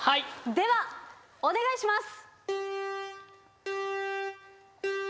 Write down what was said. ではお願いします。